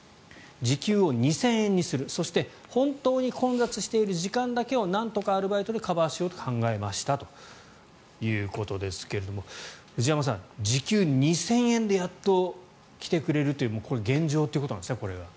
時給を２０００円にするそして本当に混雑している時間だけをなんとかアルバイトでカバーしようと考えましたということですが藤山さん、時給２０００円でやっと来てくれるというこれが現状ということなんですね。